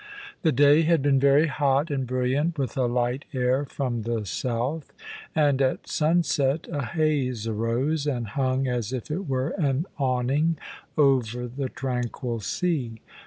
The day had been very hot and brilliant, with a light air from the south; and at sunset a haze arose, and hung as if it were an awning over the tranquil sea.